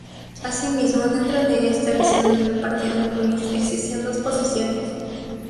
Asimismo dentro de esta visión en el Partido Comunista existían dos posiciones.